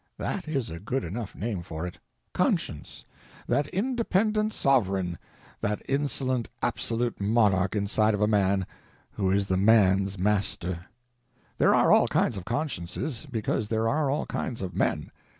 That is a good enough name for it: Conscience—that independent Sovereign, that insolent absolute Monarch inside of a man who is the man's Master. There are all kinds of consciences, because there are all kinds of men.